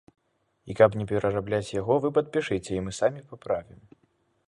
І каб не перарабляць яго, вы падпішыце, і мы самі паправім.